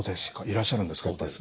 いらっしゃるんですか。